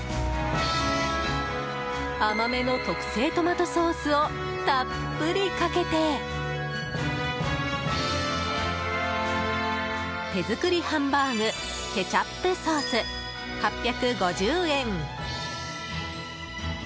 甘めの特製トマトソースをたっぷりかけて手作りハンバーグケチャップソース、８５０円。